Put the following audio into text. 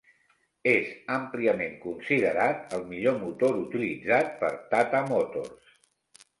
És àmpliament considerat el millor motor utilitzat per Tata Motors.